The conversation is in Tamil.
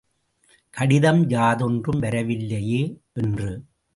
கடிதம் யாதொன்றும் வரவில்லையே என்று!